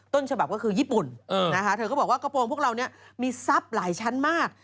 ฉบับก็คือญี่ปุ่นนะคะเธอก็บอกว่ากระโปรงพวกเราเนี่ยมีทรัพย์หลายชั้นมาก